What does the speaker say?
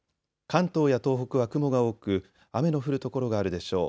関東や東北は雲が多く雨の降る所があるでしょう。